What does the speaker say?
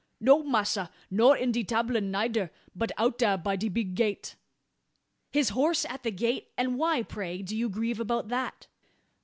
"No, massa; nor in de 'table neider; but out da, by de big gate." "His horse at the gate? And why, pray, do you grieve about that?"